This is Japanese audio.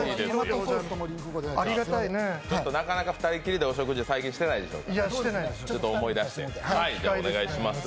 なかなか２人きりでお食事、最近してないでしょう。